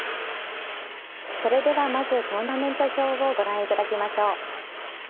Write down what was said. それではまずトーナメント表をご覧いただきましょう。